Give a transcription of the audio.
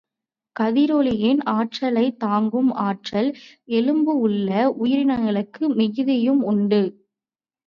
கதிரொளியின் ஆற்றலைத் தாங்கும் ஆற்றல் எலும்புள்ள உயிரினங்களுக்கு மிகுதியும் உண்டு.